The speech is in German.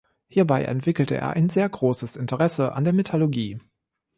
Hierbei entwickelte er ein sehr großes Interesse an der Metallurgie.